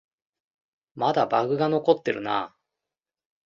まだバグが残ってるな